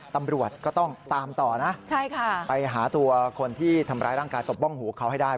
ตำรวจก็ต้องตามต่อนะไปหาตัวคนที่ทำร้ายร่างกายตบบ้องหูเขาให้ได้